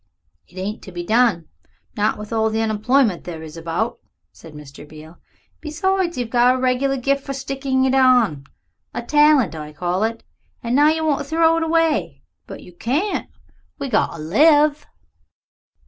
"It ain't to be done not with all the unemployed there is about," said Mr. Beale. "Besides, you've got a regular gift for sticking it on a talent I call it. And now you want to throw it away. But you can't. We got to live."